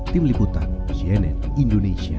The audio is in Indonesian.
tim liputan cnn indonesia